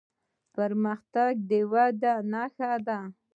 پرمختګ د ودې نښه ده.